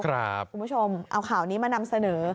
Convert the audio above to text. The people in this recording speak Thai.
คุณผู้ชมเอาข่าวนี้มานำเสนอ